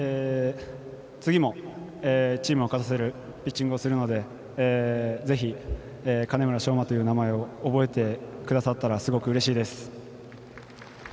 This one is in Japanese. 次もチームを勝たせるピッチングをするのでぜひ金村尚真という名前を覚えてくださったらすごくうれしいです。